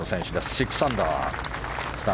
６アンダー。